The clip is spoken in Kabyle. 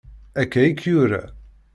Akka i k-yura.